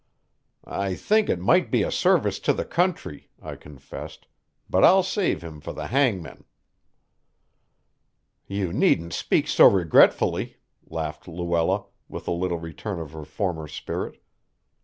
"I think it might be a service to the country," I confessed, "but I'll save him for the hangman." "You needn't speak so regretfully," laughed Luella, with a little return of her former spirit.